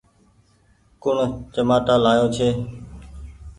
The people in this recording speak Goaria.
ڪوڻ چمآٽآ لآيو ڇي۔